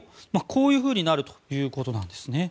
こういうふうになるということなんですね。